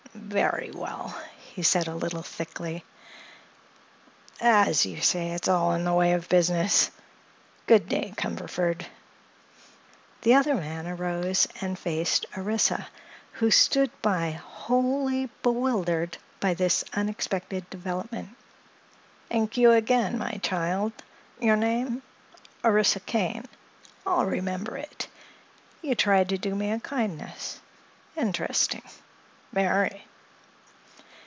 "Very well," he said a little thickly. "As you say, it's all in the way of business. Good day, Cumberford." The other man arose and faced Orissa, who stood by wholly bewildered by this unexpected development. "Thank you again, my child. Your name? Orissa Kane. I'll remember it. You tried to do me a kindness. Interesting—very!"